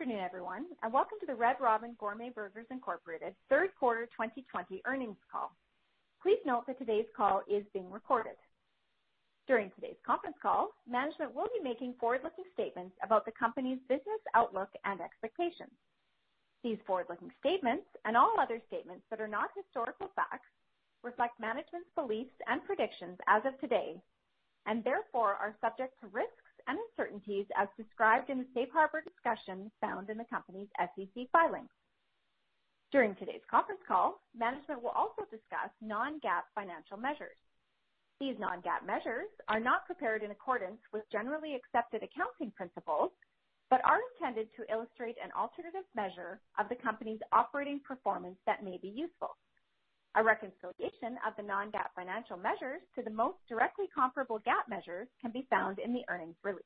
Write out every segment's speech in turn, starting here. Good afternoon, everyone, and welcome to the Red Robin Gourmet Burgers, Incorporated third quarter 2020 earnings call. Please note that today's call is being recorded. During today's conference call, management will be making forward-looking statements about the company's business outlook and expectations. These forward-looking statements and all other statements that are not historical facts reflect management's beliefs and predictions as of today, and therefore are subject to risks and uncertainties as described in the safe harbor discussion found in the company's SEC filings. During today's conference call, management will also discuss non-GAAP financial measures. These non-GAAP measures are not prepared in accordance with generally accepted accounting principles, but are intended to illustrate an alternative measure of the company's operating performance that may be useful. A reconciliation of the non-GAAP financial measures to the most directly comparable GAAP measures can be found in the earnings release.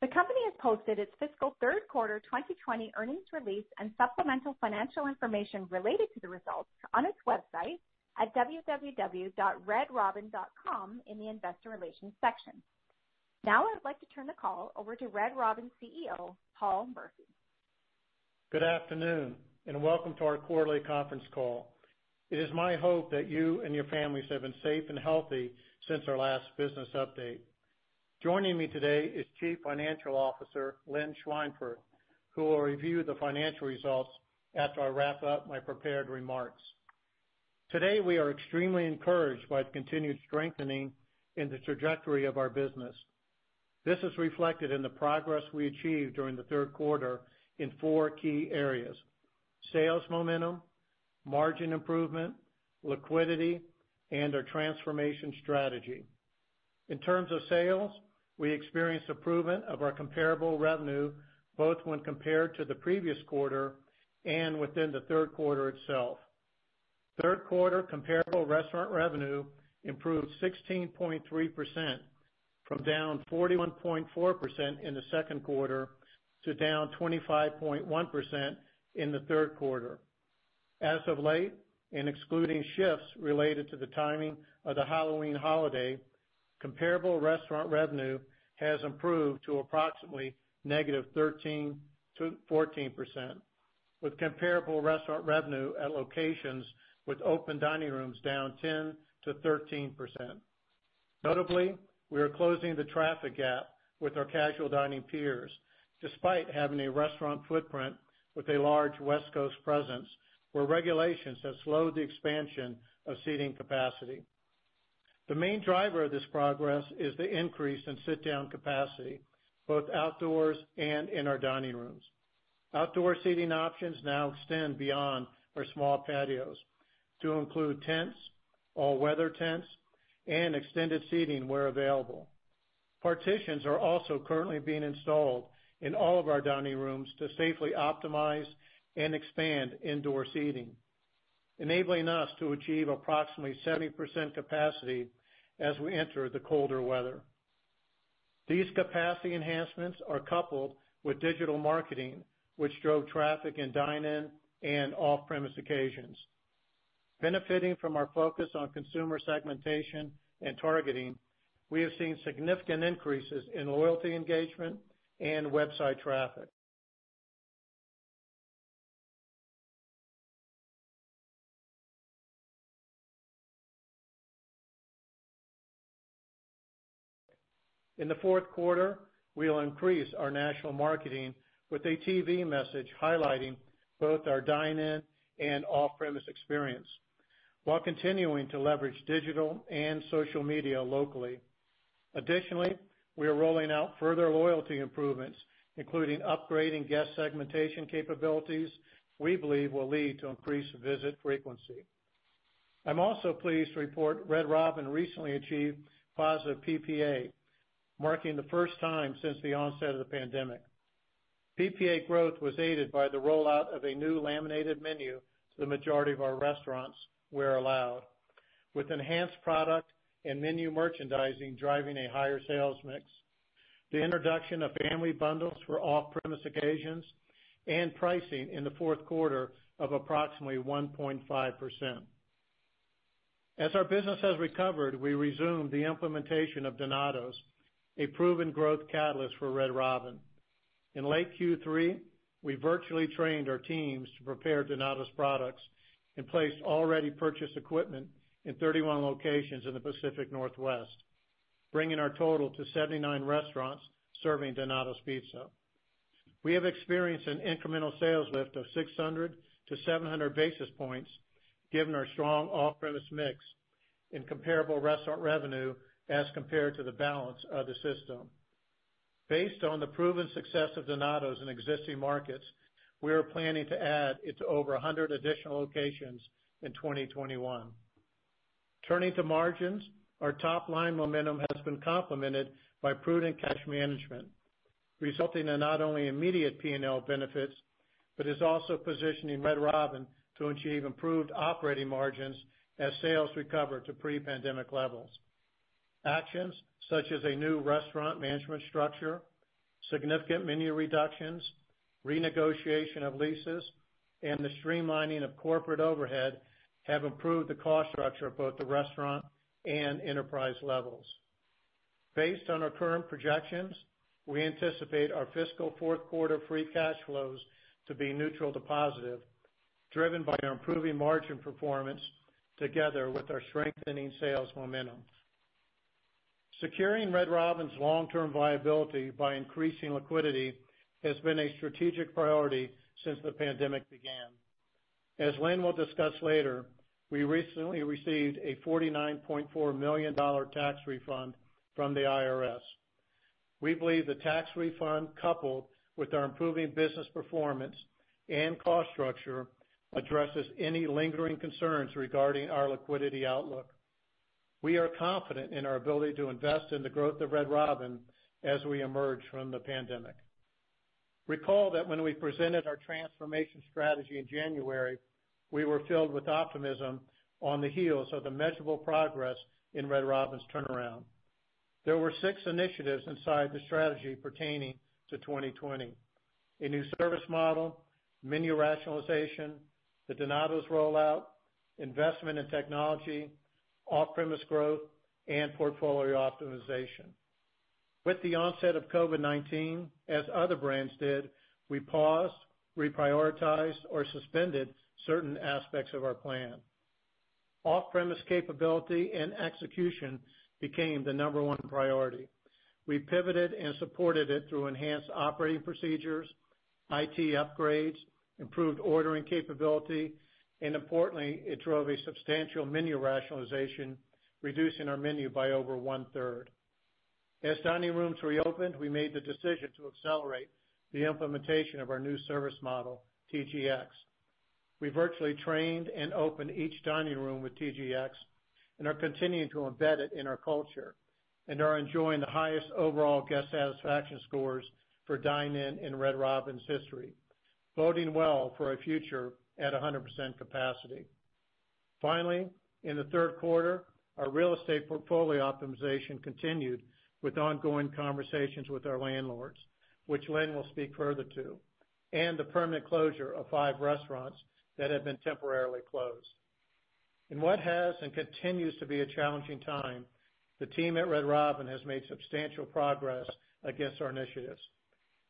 The company has posted its fiscal third quarter 2020 earnings release and supplemental financial information related to the results on its website at www.redrobin.com in the investor relations section. Now I would like to turn the call over to Red Robin CEO, Paul Murphy. Good afternoon, and welcome to our quarterly conference call. It is my hope that you and your families have been safe and healthy since our last business update. Joining me today is Chief Financial Officer, Lynn Schweinfurth, who will review the financial results after I wrap up my prepared remarks. Today, we are extremely encouraged by the continued strengthening in the trajectory of our business. This is reflected in the progress we achieved during the Third Quarter in four key areas: sales momentum, margin improvement, liquidity, and our transformation strategy. In terms of sales, we experienced improvement of our comparable revenue both when compared to the previous quarter and within the Third Quarter itself. Third-Quarter comparable restaurant revenue improved 16.3%, from down 41.4% in the Second Quarter to down 25.1% in the Third Quarter. As of late, and excluding shifts related to the timing of the Halloween holiday, comparable restaurant revenue has improved to approximately -13%-14%, with comparable restaurant revenue at locations with open dining rooms down 10%-13%. Notably, we are closing the traffic gap with our casual dining peers, despite having a restaurant footprint with a large West Coast presence where regulations have slowed the expansion of seating capacity. The main driver of this progress is the increase in sit-down capacity, both outdoors and in our dining rooms. Outdoor seating options now extend beyond our small patios to include tents, all-weather tents, and extended seating where available. Partitions are also currently being installed in all of our dining rooms to safely optimize and expand indoor seating, enabling us to achieve approximately 70% capacity as we enter the colder weather. These capacity enhancements are coupled with digital marketing, which drove traffic in dine-in and off-premise occasions. Benefiting from our focus on consumer segmentation and targeting, we have seen significant increases in loyalty engagement and website traffic. In the fourth quarter, we will increase our national marketing with a TV message highlighting both our dine-in and off-premise experience while continuing to leverage digital and social media locally. Additionally, we are rolling out further loyalty improvements, including upgrading guest segmentation capabilities we believe will lead to increased visit frequency. I'm also pleased to report Red Robin recently achieved positive PPA, marking the first time since the onset of the pandemic. PPA growth was aided by the rollout of a new laminated menu to the majority of our restaurants where allowed, with enhanced product and menu merchandising driving a higher sales mix, the introduction of family bundles for off-premise occasions, and pricing in the fourth quarter of approximately 1.5%. As our business has recovered, we resumed the implementation of Donatos, a proven growth catalyst for Red Robin. In late Q3, we virtually trained our teams to prepare Donatos products and placed already purchased equipment in 31 locations in the Pacific Northwest, bringing our total to 79 restaurants serving Donatos pizza. We have experienced an incremental sales lift of 600 to 700 basis points given our strong off-premise mix in comparable restaurant revenue as compared to the balance of the system. Based on the proven success of Donatos in existing markets, we are planning to add it to over 100 additional locations in 2021. Turning to margins, our top-line momentum has been complemented by prudent cash management, resulting in not only immediate P&L benefits, but is also positioning Red Robin to achieve improved operating margins as sales recover to pre-pandemic levels. Actions such as a new restaurant management structure, significant menu reductions, renegotiation of leases, and the streamlining of corporate overhead have improved the cost structure of both the restaurant and enterprise levels. Based on our current projections, we anticipate our fiscal fourth quarter free cash flows to be neutral to positive, driven by our improving margin performance together with our strengthening sales momentum. Securing Red Robin's long-term viability by increasing liquidity has been a strategic priority since the pandemic began. As Lynn will discuss later, we recently received a $49.4 million tax refund from the IRS. We believe the tax refund, coupled with our improving business performance and cost structure, addresses any lingering concerns regarding our liquidity outlook. We are confident in our ability to invest in the growth of Red Robin as we emerge from the pandemic. Recall that when we presented our transformation strategy in January, we were filled with optimism on the heels of the measurable progress in Red Robin's turnaround. There were six initiatives inside the strategy pertaining to 2020. A new service model, menu rationalization, the Donatos rollout, investment in technology, off-premise growth, and portfolio optimization. With the onset of COVID-19, as other brands did, we paused, reprioritized, or suspended certain aspects of our plan. Off-premise capability and execution became the number one priority. We pivoted and supported it through enhanced operating procedures, IT upgrades, improved ordering capability, and importantly, it drove a substantial menu rationalization, reducing our menu by over one-third. As dining rooms reopened, we made the decision to accelerate the implementation of our new service model, TGX. We virtually trained and opened each dining room with TGX and are continuing to embed it in our culture and are enjoying the highest overall guest satisfaction scores for dine-in in Red Robin's history, boding well for a future at 100% capacity. Finally, in the third quarter, our real estate portfolio optimization continued with ongoing conversations with our landlords, which Lynn will speak further to, and the permanent closure of five restaurants that had been temporarily closed. In what has and continues to be a challenging time, the team at Red Robin has made substantial progress against our initiatives.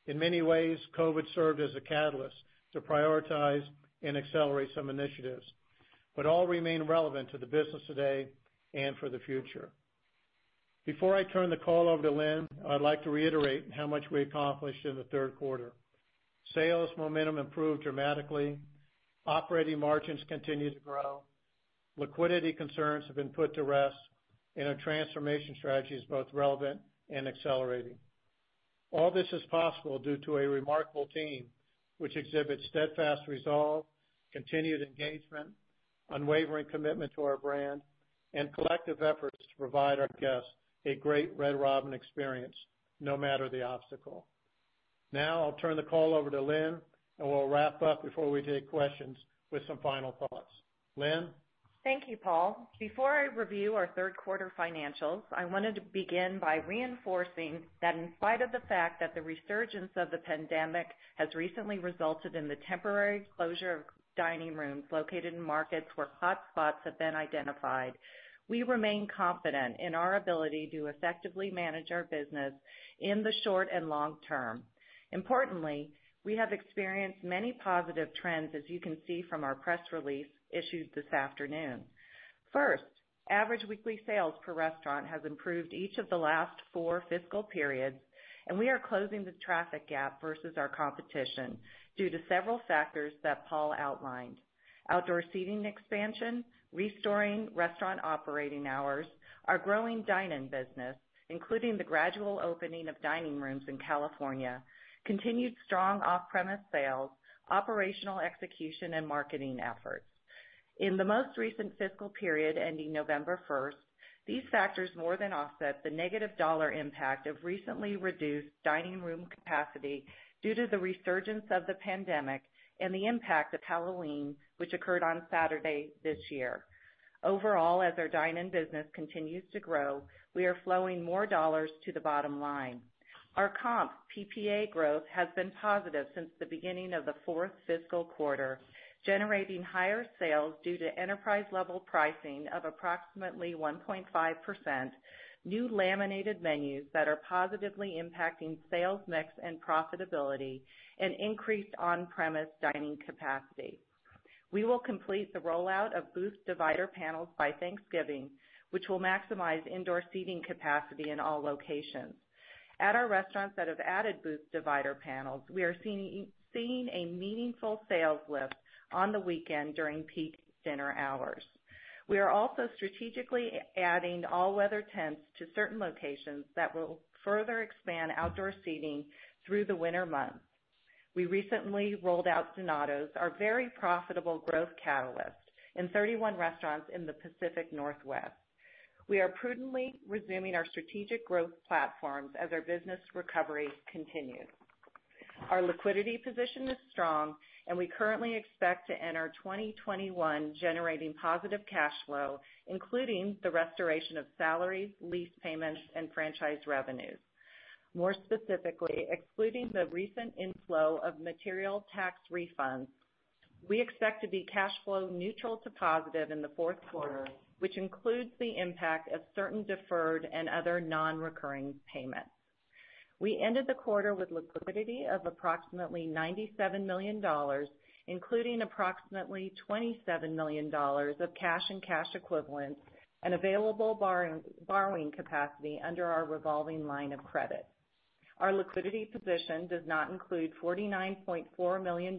In many ways, COVID served as a catalyst to prioritize and accelerate some initiatives, but all remain relevant to the business today and for the future. Before I turn the call over to Lynn, I'd like to reiterate how much we accomplished in the third quarter. Sales momentum improved dramatically. Operating margins continue to grow. Liquidity concerns have been put to rest, and our transformation strategy is both relevant and accelerating. All this is possible due to a remarkable team, which exhibits steadfast resolve, continued engagement, unwavering commitment to our brand, and collective efforts to provide our guests a great Red Robin experience, no matter the obstacle. Now, I'll turn the call over to Lynn, and we'll wrap up before we take questions with some final thoughts. Lynn? Thank you, Paul. Before I review our third quarter financials, I wanted to begin by reinforcing that in spite of the fact that the resurgence of the pandemic has recently resulted in the temporary closure of dining rooms located in markets where hotspots have been identified, we remain confident in our ability to effectively manage our business in the short and long term. Importantly, we have experienced many positive trends, as you can see from our press release issued this afternoon. First, average weekly sales per restaurant has improved each of the last four fiscal periods, and we are closing the traffic gap versus our competition due to several factors that Paul outlined. Outdoor seating expansion, restoring restaurant operating hours, our growing dine-in business, including the gradual opening of dining rooms in California, continued strong off-premise sales, operational execution, and marketing efforts. In the most recent fiscal period ending November 1st, these factors more than offset the negative dollar impact of recently reduced dining room capacity due to the resurgence of the pandemic and the impact of Halloween, which occurred on Saturday this year. Overall, as our dine-in business continues to grow, we are flowing more dollars to the bottom line. Our comp PPA growth has been positive since the beginning of the fourth fiscal quarter, generating higher sales due to enterprise-level pricing of approximately 1.5%, new laminated menus that are positively impacting sales mix and profitability, and increased on-premise dining capacity. We will complete the rollout of booth divider panels by Thanksgiving, which will maximize indoor seating capacity in all locations. At our restaurants that have added booth divider panels, we are seeing a meaningful sales lift on the weekend during peak dinner hours. We are also strategically adding all-weather tents to certain locations that will further expand outdoor seating through the winter months. We recently rolled out Donatos, our very profitable growth catalyst, in 31 restaurants in the Pacific Northwest. We are prudently resuming our strategic growth platforms as our business recovery continues. Our liquidity position is strong, and we currently expect to enter 2021 generating positive cash flow, including the restoration of salaries, lease payments, and franchise revenues. More specifically, excluding the recent inflow of material tax refunds. We expect to be cash flow neutral to positive in the fourth quarter, which includes the impact of certain deferred and other non-recurring payments. We ended the quarter with liquidity of approximately $97 million, including approximately $27 million of cash and cash equivalents and available borrowing capacity under our revolving line of credit. Our liquidity position does not include $49.4 million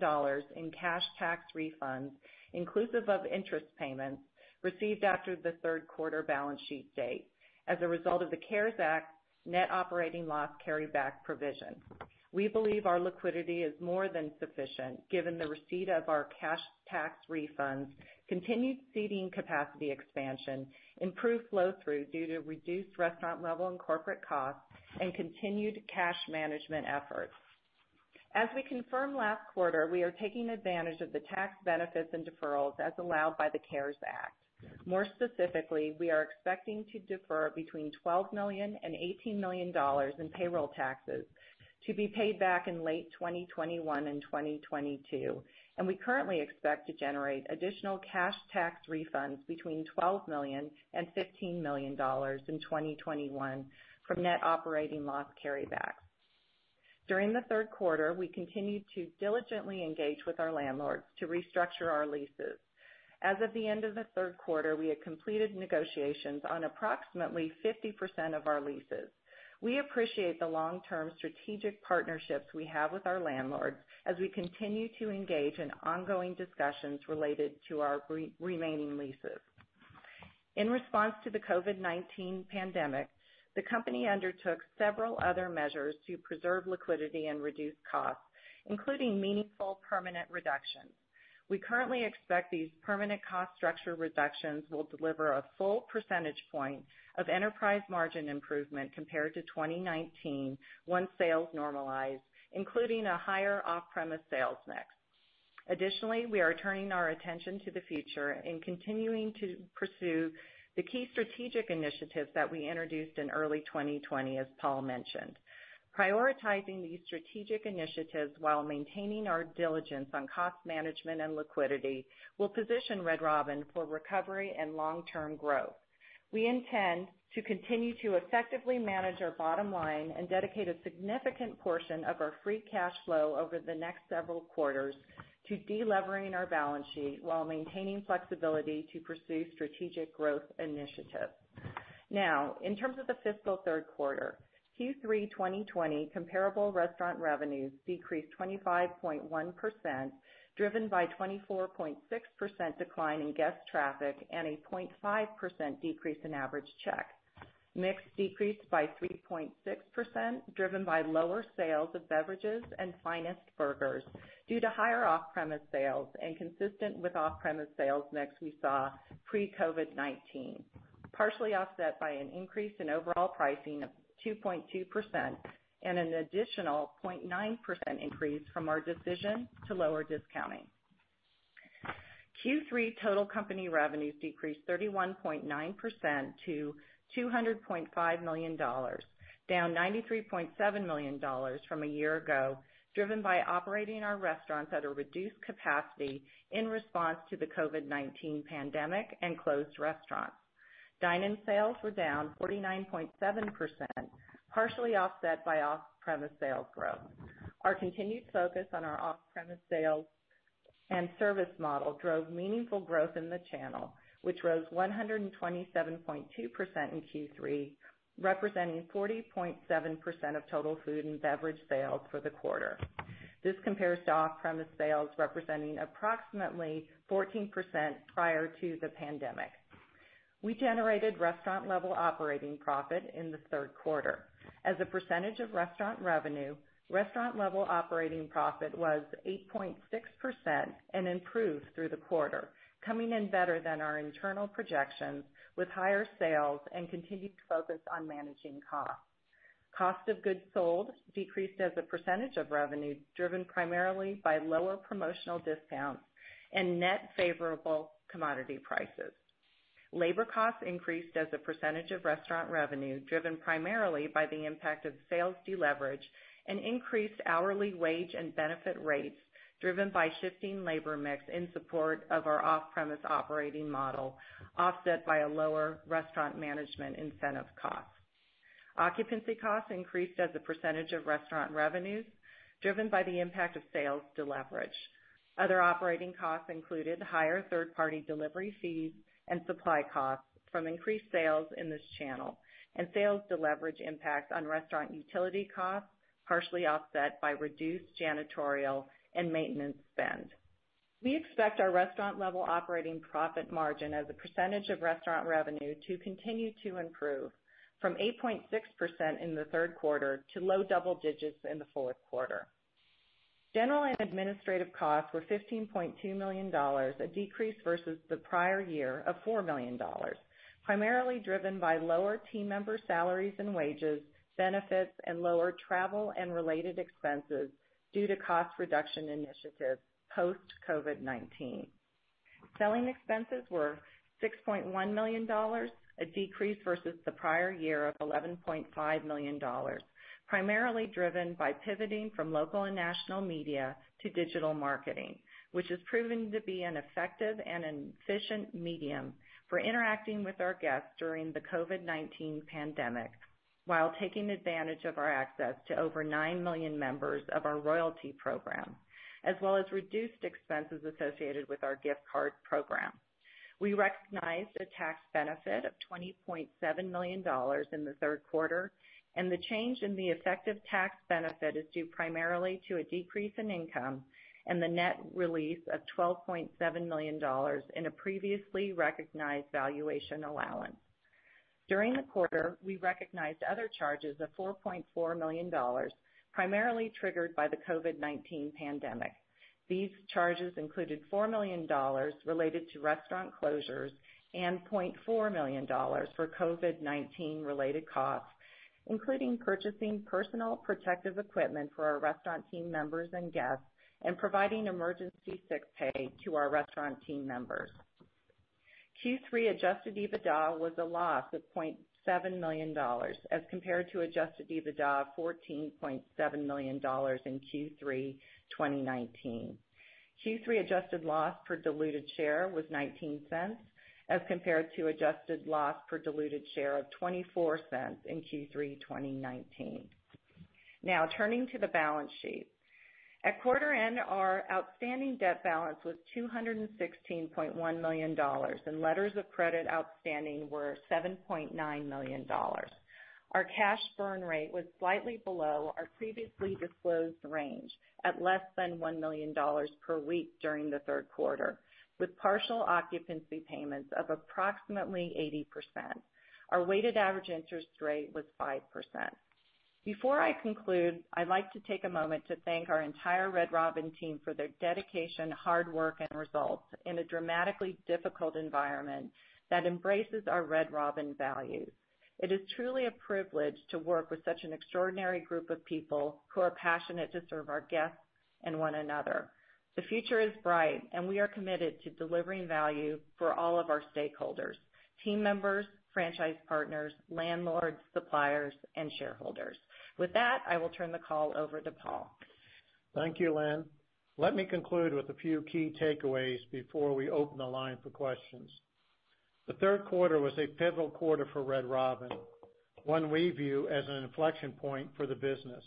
in cash tax refunds, inclusive of interest payments, received after the third quarter balance sheet date as a result of the CARES Act net operating loss carryback provision. We believe our liquidity is more than sufficient given the receipt of our cash tax refunds, continued seating capacity expansion, improved flow through due to reduced restaurant level and corporate costs, and continued cash management efforts. As we confirmed last quarter, we are taking advantage of the tax benefits and deferrals as allowed by the CARES Act. More specifically, we are expecting to defer between $12 million and $18 million in payroll taxes to be paid back in late 2021 and 2022. We currently expect to generate additional cash tax refunds between $12 million and $15 million in 2021 from net operating loss carryback. During the third quarter, we continued to diligently engage with our landlords to restructure our leases. As of the end of the third quarter, we had completed negotiations on approximately 50% of our leases. We appreciate the long-term strategic partnerships we have with our landlords as we continue to engage in ongoing discussions related to our remaining leases. In response to the COVID-19 pandemic, the company undertook several other measures to preserve liquidity and reduce costs, including meaningful permanent reductions. We currently expect these permanent cost structure reductions will deliver a full percentage point of enterprise margin improvement compared to 2019 once sales normalize, including a higher off-premise sales mix. Additionally, we are turning our attention to the future and continuing to pursue the key strategic initiatives that we introduced in early 2020, as Paul mentioned. Prioritizing these strategic initiatives while maintaining our diligence on cost management and liquidity will position Red Robin for recovery and long-term growth. We intend to continue to effectively manage our bottom line and dedicate a significant portion of our free cash flow over the next several quarters to de-levering our balance sheet while maintaining flexibility to pursue strategic growth initiatives. Now, in terms of the fiscal third quarter, Q3 2020 comparable restaurant revenues decreased 25.1%, driven by 24.6% decline in guest traffic and a 0.5% decrease in average check. Mix decreased by 3.6%, driven by lower sales of beverages and Finest Burgers due to higher off-premise sales and consistent with off-premise sales mix we saw pre-COVID-19, partially offset by an increase in overall pricing of 2.2% and an additional 0.9% increase from our decision to lower discounting. Q3 total company revenues decreased 31.9% to $200.5 million, down $93.7 million from a year ago, driven by operating our restaurants at a reduced capacity in response to the COVID-19 pandemic and closed restaurants. Dine-in sales were down 49.7%, partially offset by off-premise sales growth. Our continued focus on our off-premise sales and service model drove meaningful growth in the channel, which rose 127.2% in Q3, representing 40.7% of total food and beverage sales for the quarter. This compares to off-premise sales representing approximately 14% prior to the pandemic. We generated restaurant level operating profit in the third quarter. As a percentage of restaurant revenue, restaurant level operating profit was 8.6% and improved through the quarter, coming in better than our internal projections with higher sales and continued focus on managing costs. Cost of goods sold decreased as a percentage of revenue, driven primarily by lower promotional discounts and net favorable commodity prices. Labor costs increased as a percentage of restaurant revenue, driven primarily by the impact of sales de-leverage and increased hourly wage and benefit rates, driven by shifting labor mix in support of our off-premise operating model, offset by a lower restaurant management incentive cost. Occupancy costs increased as a percentage of restaurant revenues, driven by the impact of sales de-leverage. Other operating costs included higher third-party delivery fees and supply costs from increased sales in this channel and sales de-leverage impacts on restaurant utility costs, partially offset by reduced janitorial and maintenance spend. We expect our restaurant level operating profit margin as a percentage of restaurant revenue to continue to improve from 8.6% in the third quarter to low double digits in the fourth quarter. General and administrative costs were $15.2 million, a decrease versus the prior year of $4 million, primarily driven by lower team member salaries and wages, benefits, and lower travel and related expenses due to cost reduction initiatives post-COVID-19. Selling expenses were $6.1 million, a decrease versus the prior year of $11.5 million, primarily driven by pivoting from local and national media to digital marketing, which has proven to be an effective and efficient medium for interacting with our guests during the COVID-19 pandemic while taking advantage of our access to over 9 million members of our Royalty Program, as well as reduced expenses associated with our gift card program. We recognized a tax benefit of $20.7 million in the third quarter, and the change in the effective tax benefit is due primarily to a decrease in income and the net release of $12.7 million in a previously recognized valuation allowance. During the quarter, we recognized other charges of $4.4 million, primarily triggered by the COVID-19 pandemic. These charges included $4 million related to restaurant closures and $0.4 million for COVID-19 related costs, including purchasing personal protective equipment for our restaurant team members and guests, and providing emergency sick pay to our restaurant team members. Q3 adjusted EBITDA was a loss of $0.7 million as compared to adjusted EBITDA of $14.7 million in Q3 2019. Q3 adjusted loss per diluted share was $0.19 as compared to adjusted loss per diluted share of $0.24 in Q3 2019. Now, turning to the balance sheet. At quarter end, our outstanding debt balance was $216.1 million, and letters of credit outstanding were $7.9 million. Our cash burn rate was slightly below our previously disclosed range, at less than $1 million per week during the third quarter, with partial occupancy payments of approximately 80%. Our weighted average interest rate was 5%. Before I conclude, I'd like to take a moment to thank our entire Red Robin team for their dedication, hard work, and results in a dramatically difficult environment that embraces our Red Robin values. It is truly a privilege to work with such an extraordinary group of people who are passionate to serve our guests and one another. The future is bright, and we are committed to delivering value for all of our stakeholders, team members, franchise partners, landlords, suppliers, and shareholders. With that, I will turn the call over to Paul. Thank you, Lynn. Let me conclude with a few key takeaways before we open the line for questions. The third quarter was a pivotal quarter for Red Robin, one we view as an inflection point for the business.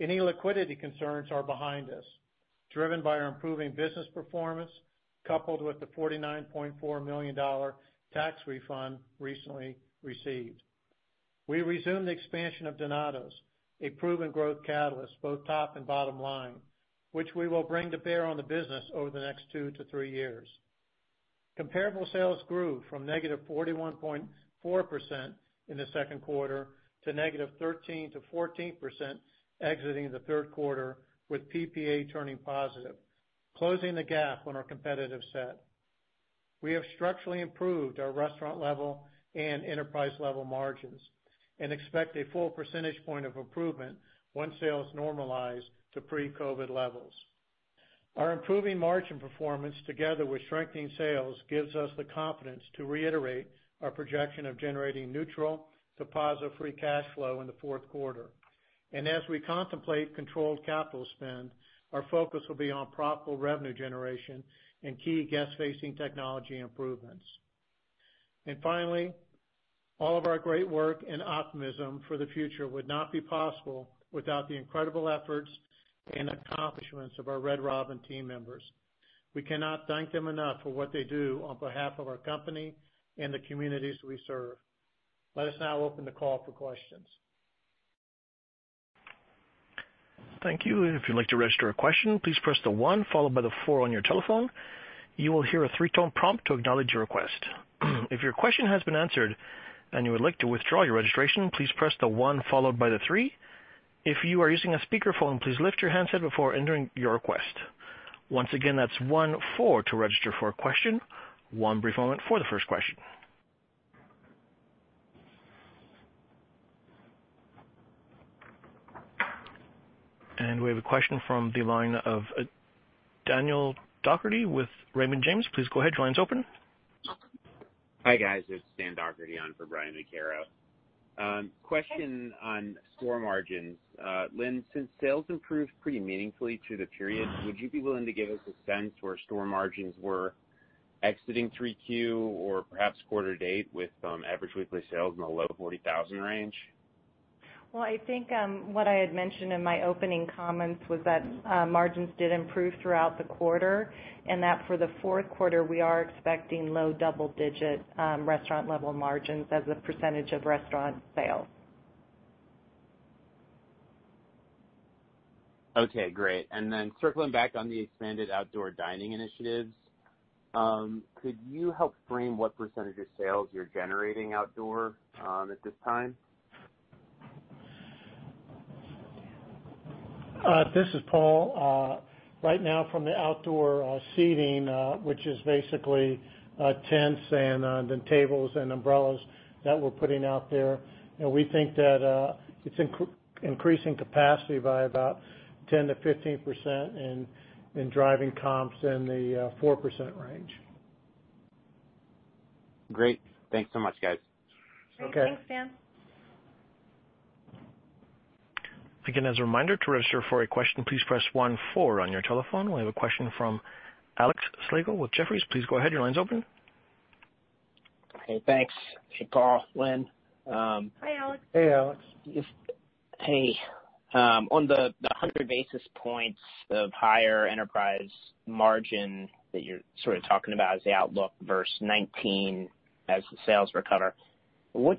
Any liquidity concerns are behind us, driven by our improving business performance, coupled with the $49.4 million tax refund recently received. We resumed the expansion of Donatos, a proven growth catalyst, both top and bottom line, which we will bring to bear on the business over the next two to three years. Comparable sales grew from -41.4% in the second quarter to -13-14% exiting the third quarter with PPA turning positive, closing the gap on our competitive set. We have structurally improved our restaurant level and enterprise level margins and expect a full percentage point of improvement when sales normalize to pre-COVID levels. Our improving margin performance together with strengthening sales gives us the confidence to reiterate our projection of generating neutral to positive free cash flow in the fourth quarter. As we contemplate controlled capital spend, our focus will be on profitable revenue generation and key guest-facing technology improvements. Finally, all of our great work and optimism for the future would not be possible without the incredible efforts and accomplishments of our Red Robin team members. We cannot thank them enough for what they do on behalf of our company and the communities we serve. Let us now open the call for questions. We have a question from the line of Daniel Doherty with Raymond James. Please go ahead. Your line's open. Hi, guys. It's Dan Doherty on for Brian Vaccaro. Question on store margins. Lynn, since sales improved pretty meaningfully through the period, would you be willing to give us a sense where store margins were exiting three Q or perhaps quarter to date with average weekly sales in the low 40,000 range? Well, I think what I had mentioned in my opening comments was that margins did improve throughout the quarter, and that for the fourth quarter, we are expecting low double-digit restaurant level margins as a percentage of restaurant sales. Okay, great. Circling back on the expanded outdoor dining initiatives, could you help frame what percentage of sales you're generating outdoor at this time? This is Paul. Right now from the outdoor seating, which is basically tents and the tables and umbrellas that we're putting out there, we think that it's increasing capacity by about 10%-15% and driving comps in the 4% range. Great. Thanks so much, guys. Okay. Great. Thanks, Dan. We have a question from Alex Slagle with Jefferies. Please go ahead. Your line's open. Okay, thanks. Hey, Paul, Lynn. Hi, Alex. Hey, Alex. Hey. On the 100 basis points of higher enterprise margin that you're talking about as the outlook versus 2019 as the sales recover. What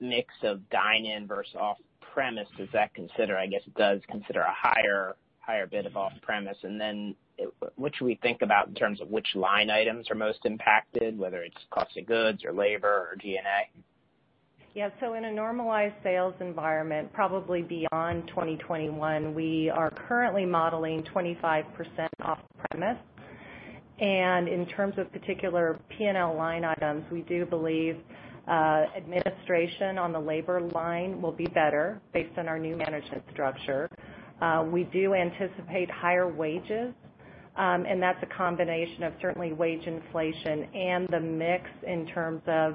mix of dine-in versus off-premise does that consider? I guess it does consider a higher bit of off-premise and then what should we think about in terms of which line items are most impacted, whether it's cost of goods or labor or G&A? Yeah. In a normalized sales environment, probably beyond 2021, we are currently modeling 25% off-premise. In terms of particular P&L line items, we do believe administration on the labor line will be better based on our new management structure. We do anticipate higher wages, that's a combination of certainly wage inflation and the mix in terms of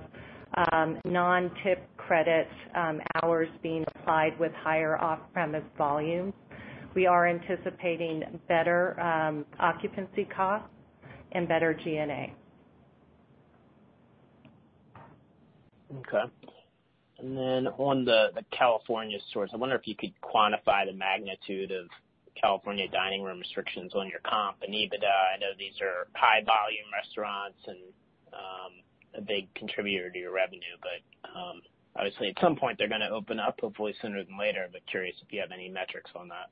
non-tip credit hours being applied with higher off-premise volume. We are anticipating better occupancy costs and better G&A. Okay. Then on the California stores, I wonder if you could quantify the magnitude of California dining room restrictions on your comp and EBITDA. I know these are high volume restaurants and a big contributor to your revenue, but, obviously at some point they're going to open up, hopefully sooner than later, but curious if you have any metrics on that.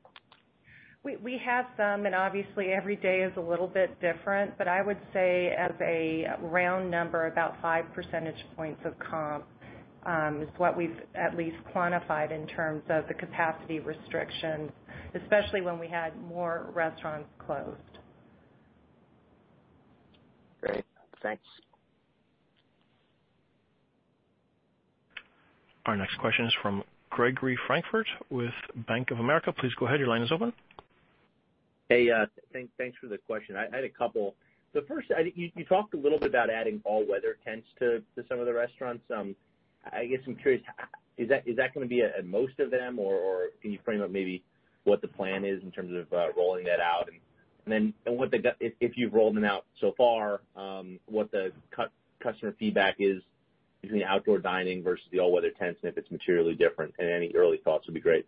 We have some, and obviously every day is a little bit different, but I would say as a round number, about 5 percentage points of comp, is what we've at least quantified in terms of the capacity restrictions, especially when we had more restaurants closed. Great. Thanks. Our next question is from Gregory Francfort with Bank of America. Please go ahead, your line is open. Hey, thanks for the question. I had a couple. First, you talked a little bit about adding all-weather tents to some of the restaurants. I guess I'm curious, is that going to be at most of them, or can you frame up maybe what the plan is in terms of rolling that out and then if you've rolled them out so far, what the customer feedback is between outdoor dining versus the all-weather tents and if it's materially different and any early thoughts would be great.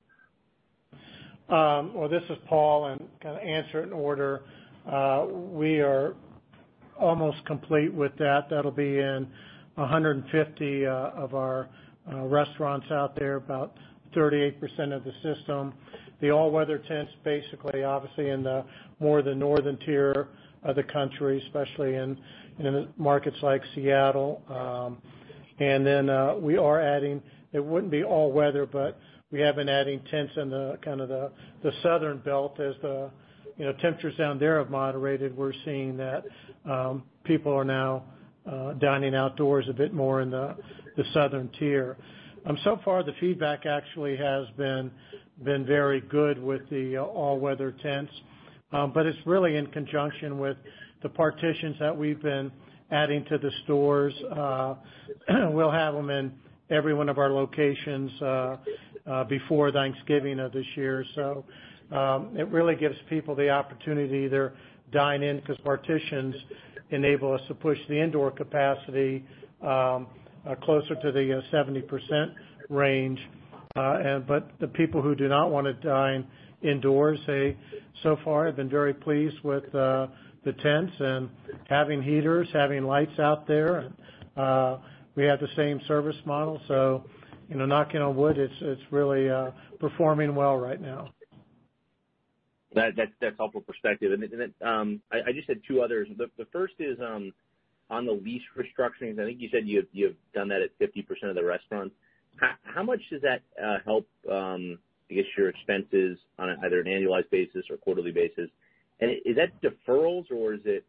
Well, this is Paul, going to answer it in order. We are almost complete with that. That'll be in 150 of our restaurants out there, about 38% of the system. The all-weather tents, basically, obviously in the more the northern tier of the country, especially in markets like Seattle. We are adding, it wouldn't be all weather, we have been adding tents in the southern belt as the temperatures down there have moderated. We're seeing that people are now dining outdoors a bit more in the southern tier. So far the feedback actually has been very good with the all-weather tents. It's really in conjunction with the partitions that we've been adding to the stores. We'll have them in every one of our locations before Thanksgiving of this year. It really gives people the opportunity to either dine in, because partitions enable us to push the indoor capacity closer to the 70% range. The people who do not want to dine indoors, they so far have been very pleased with the tents and having heaters, having lights out there. We have the same service model. Knock on wood, it's really performing well right now. That's helpful perspective. I just had two others. The first is on the lease restructurings. I think you said you have done that at 50% of the restaurants. How much does that help because your expenses on either an annualized basis or quarterly basis, and is that deferrals or is it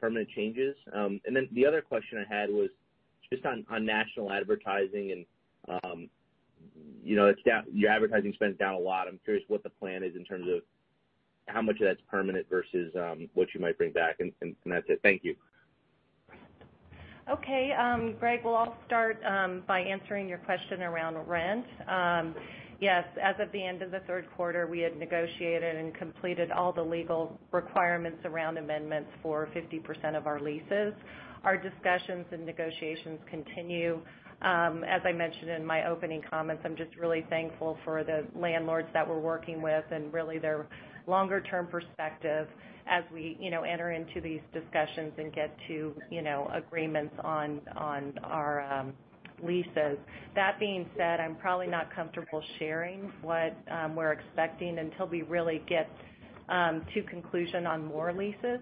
permanent changes? The other question I had was just on national advertising and your advertising spend is down a lot. I'm curious what the plan is in terms of how much of that's permanent versus what you might bring back and that's it. Thank you. Okay. Greg, well, I'll start by answering your question around rent. Yes, as of the end of the third quarter, we had negotiated and completed all the legal requirements around amendments for 50% of our leases. Our discussions and negotiations continue. As I mentioned in my opening comments, I'm just really thankful for the landlords that we're working with and really their longer term perspective as we enter into these discussions and get to agreements on our leases. That being said, I'm probably not comfortable sharing what we're expecting until we really get to conclusion on more leases.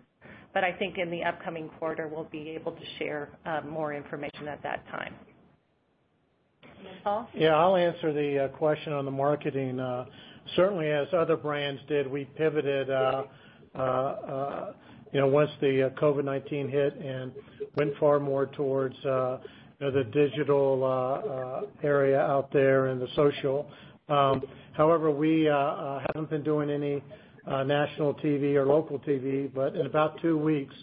I think in the upcoming quarter, we'll be able to share more information at that time. Then Paul? I'll answer the question on the marketing. Certainly, as other brands did, we pivoted once the COVID-19 hit and went far more towards the digital area out there and the social. We haven't been doing any national TV or local TV, but in about two weeks,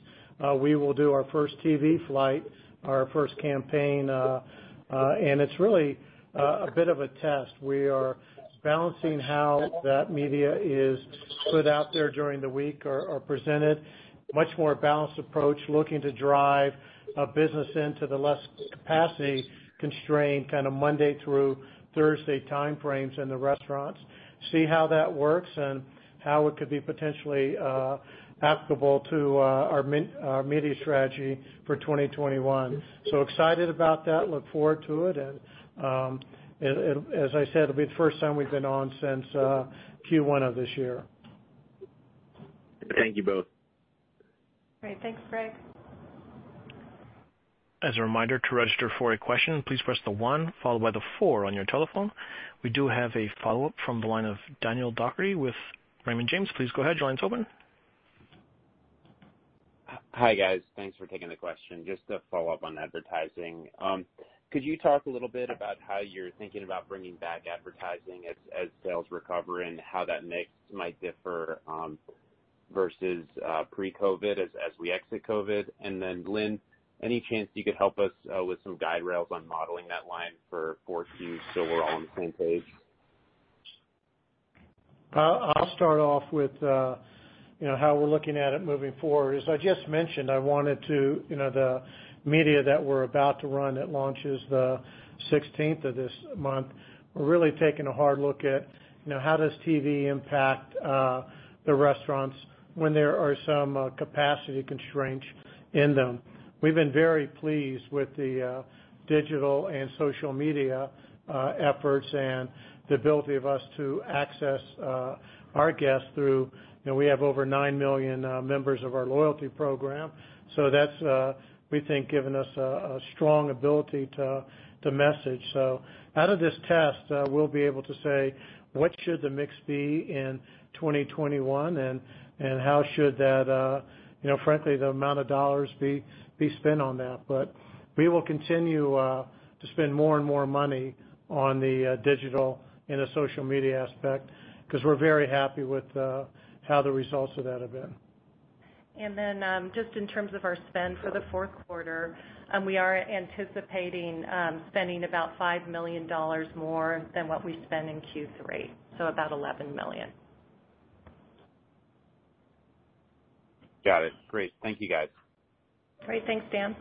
we will do our first TV flight, our first campaign, and it's really a bit of a test. We are balancing how that media is put out there during the week or presented. Much more balanced approach, looking to drive business into the less capacity-constrained, kind of Monday through Thursday timeframes in the restaurants. See how that works, and how it could be potentially applicable to our media strategy for 2021. Excited about that. Look forward to it. As I said, it'll be the first time we've been on since Q1 of this year. Thank you both. Great. Thanks, Greg. As a reminder, to register for a question, please press the one followed by the four on your telephone. We do have a follow-up from the line of Daniel Doherty with Raymond James. Please go ahead. Your line's open. Hi, guys. Thanks for taking the question. Just to follow up on advertising. Could you talk a little bit about how you're thinking about bringing back advertising as sales recover and how that mix might differ versus pre-COVID as we exit COVID? Lynn, any chance you could help us with some guide rails on modeling that line for 4Q so we're all on the same page? I'll start off with how we're looking at it moving forward. As I just mentioned, the media that we're about to run that launches the 16th of this month, we're really taking a hard look at how does TV impact the restaurants when there are some capacity constraints in them. We've been very pleased with the digital and social media efforts and the ability of us to access our guests through, we have over 9 million members of our loyalty program. That's, we think, given us a strong ability to message. Out of this test, we'll be able to say, what should the mix be in 2021 and how should that, frankly, the amount of dollars be spent on that. We will continue to spend more and more money on the digital and the social media aspect because we're very happy with how the results of that have been. Just in terms of our spend for the fourth quarter, we are anticipating spending about $5 million more than what we spent in Q3, so about $11 million. Got it. Great. Thank you guys. Great. Thanks, Dan.